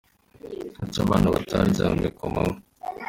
Kuki abana bataryamye ku manywa?